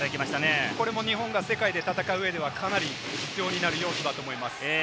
これも日本が世界で戦う上でかなり必要になる要素だと思います。